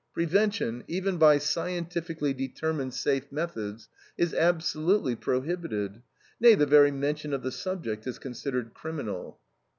Prevention, even by scientifically determined safe methods, is absolutely prohibited; nay, the very mention of the subject is considered criminal.